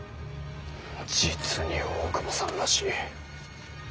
実に大久保さんらしい。